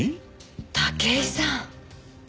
武井さん。